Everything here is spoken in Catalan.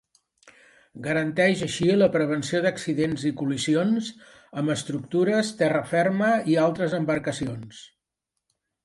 Garanteix així la prevenció d'accidents i col·lisions amb estructures, terra ferma i altres embarcacions.